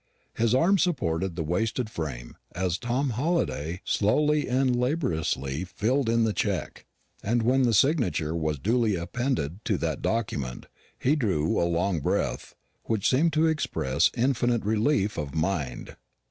His arm supported the wasted frame, as Tom Halliday slowly and laboriously filled in the check; and when the signature was duly appended to that document, he drew a long breath, which seemed to express infinite relief of mind.